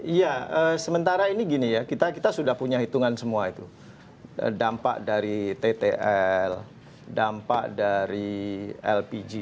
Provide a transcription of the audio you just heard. iya sementara ini gini ya kita sudah punya hitungan semua itu dampak dari ttl dampak dari lpg